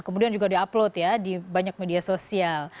kemudian juga di upload ya di banyak media sosial